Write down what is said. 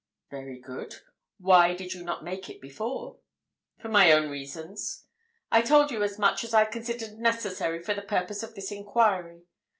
"Very good. Why did you not make it before?" "For my own reasons. I told you as much as I considered necessary for the purpose of this enquiry.